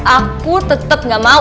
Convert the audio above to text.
aku tetep gak mau